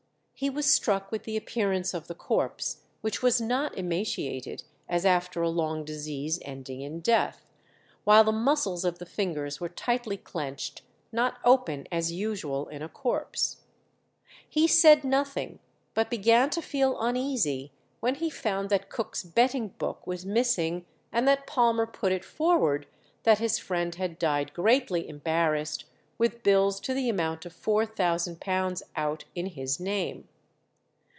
He was struck with the appearance of the corpse, which was not emaciated, as after a long disease ending in death; while the muscles of the fingers were tightly clenched, not open, as usual in a corpse. He said nothing, but began to feel uneasy when he found that Cook's betting book was missing, and that Palmer put it forward that his friend had died greatly embarrassed, with bills to the amount of £4000 out in his name.